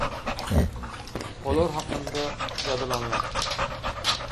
Olar hakynda ýazylanlar.